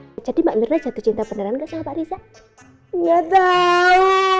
hai jadi makna jatuh cinta beneran gak sama riza enggak tahu